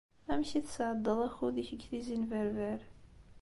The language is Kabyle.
Amek i tesɛeddaḍ akud-ik deg Tizi n Berber?